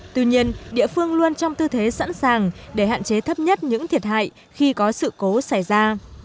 tuy nhiên địa phương luôn trong tư thế sẵn sàng để hạn chế thấp nhất những thiệt hại khi có sự cố xảy ra